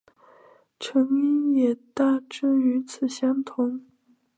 成因也大致与此相同。